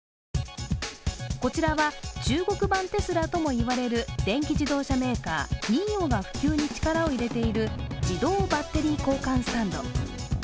こちらは中国版テスラともいわれる電気自動車メーカー、ＮＩＯが普及に力を入れている自動バッテリー交換スタンド。